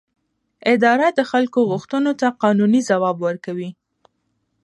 اداره د خلکو غوښتنو ته قانوني ځواب ورکوي.